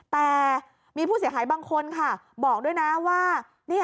แต่มีผู้เสียหายบางคนค่ะบอกด้วยนะว่า